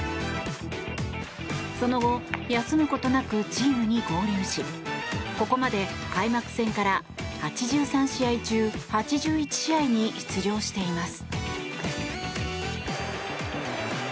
その後、休むことなくチームに合流しここまで開幕戦から、８３試合中８１試合に出場しています。